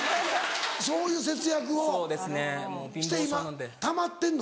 そういう節約をして今貯まってんの？